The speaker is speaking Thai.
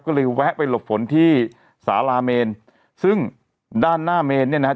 ก็เลยแวะไปหลบฝนที่สาลาเมนซึ่งด้านหน้าเมนเนี่ยนะฮะ